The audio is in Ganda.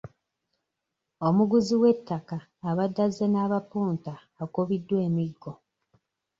Omuguzi w'ettaka abadde azze n'abapunta akubiddwa emiggo.